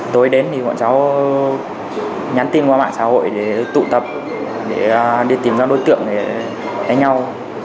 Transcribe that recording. tối đến thì bọn cháu nhắn tin qua mạng xã hội để tụ tập để đi tìm ra đối tượng để đánh nhau